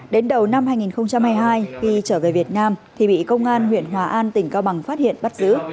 đến đầu năm hai nghìn hai mươi hai khi trở về việt nam thì bị công an huyện hòa an tỉnh cao bằng phát hiện bắt giữ